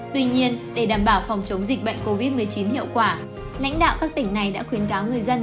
tuy nhiên để đảm bảo phòng chống dịch bệnh covid một mươi chín hiệu quả lãnh đạo các tỉnh này đã khuyến cáo người dân